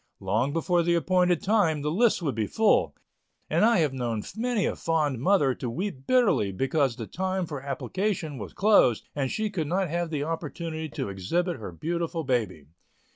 Long before the appointed time, the list would be full and I have known many a fond mother to weep bitterly because the time for application was closed and she could not have the opportunity to exhibit her beautiful baby.